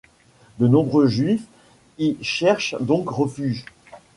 De nombreux Juifs y cherchent donc refuge.